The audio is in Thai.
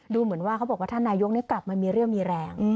ดูเหมือนว่าเขาบอกว่าท่านนายกกลับมามีเรี่ยวมีแรง